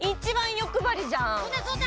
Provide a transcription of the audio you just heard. そうだそうだ！